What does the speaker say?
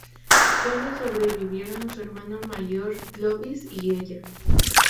Solo sobrevivieron su hermano mayor Clovis y ella.